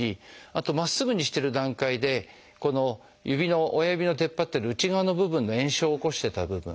あとまっすぐにしてる段階でこの指の親指の出っ張ってる内側の部分の炎症を起こしてた部分。